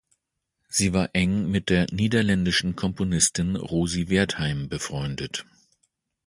Sie war eng mit der niederländischen Komponistin Rosy Wertheim befreundet.